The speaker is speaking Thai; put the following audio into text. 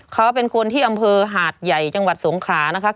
เขาเป็นคนที่อำเภอหาดใหญ่จังหวัดสงขรานะคะ